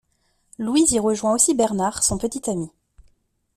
Louise y rejoint aussi Bernard, son petit ami.